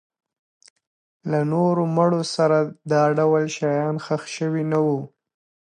له نورو مړو سره دا ډول شیان ښخ شوي نه وو.